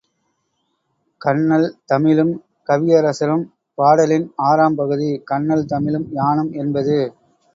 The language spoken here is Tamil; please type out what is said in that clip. கன்னல் தமிழும் கவியரசரும் பாடலின் ஆறாம் பகுதி கன்னல் தமிழும் யானும் என்பது.